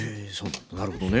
なるほどね。